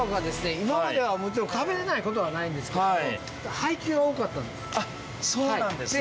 今まではもちろん食べれないことはないんですけどもあっそうなんですね